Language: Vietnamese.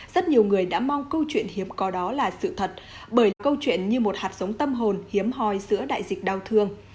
rất nhiều người đã mong câu chuyện hiếm có đó là sự thật bởi câu chuyện như một hạt sống tâm hồn hiếm hoi giữa đại dịch đau thương